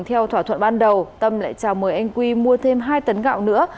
theo thỏa thuận ban đầu tâm lại chào mời anh quy mua thêm hai tấn gạo nữa